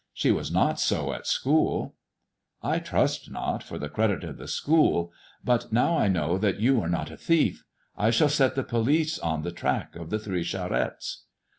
She was not' 80 at school." " I trust not, for the credit' of the school. But now I know that you are not the thief, I shall set the police on the track of the three Charettes."